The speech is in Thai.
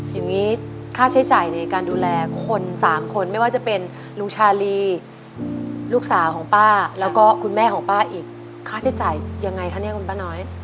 อย่างนี้ค่าใช้จ่ายในการดูแลคนสามคนไม่ว่าจะเป็นลุงชาลีลูกสาวของป้าแล้วก็คุณแม่ของป้าอีกค่าใช้จ่ายยังไงคะเนี่ยคุณป้าน้อย